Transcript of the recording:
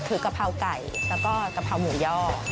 คือกะเพราไก่แล้วก็กะเพราหมูย่อ